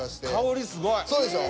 あっそうでしょ？